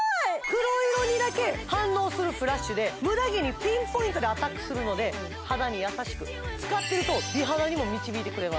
黒色にだけ反応するフラッシュでムダ毛にピンポイントでアタックするので肌に優しく使っていると美肌にも導いてくれます